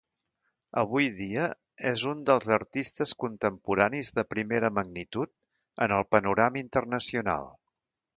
Avui dia, és un dels artistes contemporanis de primera magnitud en el panorama internacional.